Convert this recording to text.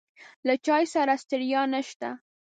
له چای سره ستړیا نشته.